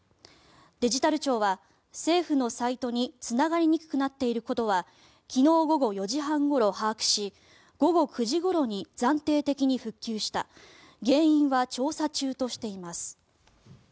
デジタル庁は政府のサイトにつながりにくくなっていることは昨日午後４時半ごろに把握し午後９時ごろに暫定的に復旧した原因は調査中としています。